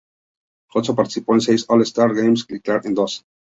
Hudson participó en seis All-Star Games y Clark en dos.